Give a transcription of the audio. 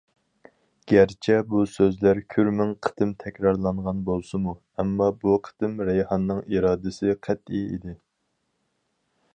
- گەرچە بۇ سۆزلەر كۈرمىڭ قېتىم تەكرارلانغان بولسىمۇ، ئەمما بۇ قېتىم رەيھاننىڭ ئىرادىسى قەتئىي ئىدى.